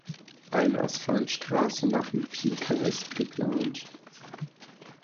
Eine Asphaltstraße nach Mpika ist geplant.